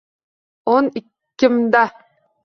O’n ikkimda